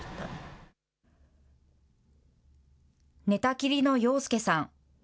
寝たきりの洋介さん。